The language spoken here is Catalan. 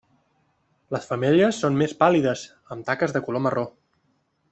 Les femelles són més pàl·lides, amb taques de color marró.